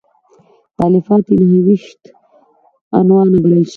تالیفات یې نهه ویشت عنوانه بلل شوي.